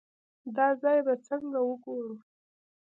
دا ځای به څنګه وګورو.